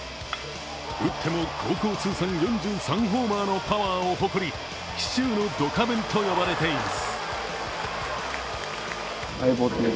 打っても高校通算４３ホーマーのパワーを誇り紀州のドカベンといわれています。